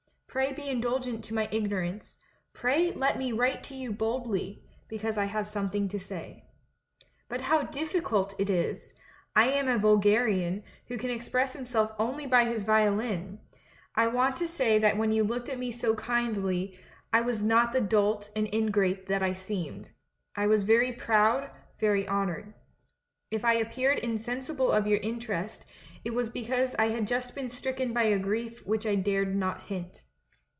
Pray be indulgent to my ignorance, pray let me write to you boldly, because I have something to say. "But how difficult it is — I am a vulgarian, who can express himself only by his violin ! I want to say that when you looked at me so kindly, I was not the dolt and ingrate that I seemed; I was very proud, very honoured. If I appeared in sensible of your interest, it was because I had just been stricken by a grief which I dared not hint.